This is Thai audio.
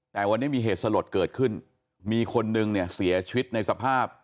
แต่วันนี้มีเหตุสลดเกิดขึ้นมีคนนึงเนี่ยเสียชีวิตในสภาพ